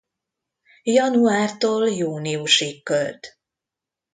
Januártól júniusig költ.